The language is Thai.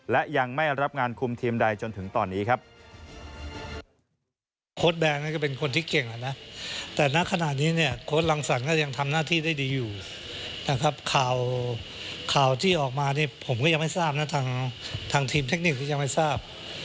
และยังไม่รับงานคุมทีมใดจนถึงตอนนี้ครับ